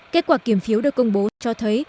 kết quả kiểm phiếu được công bố cho thấy